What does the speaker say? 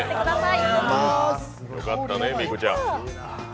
よかったね、美久ちゃん。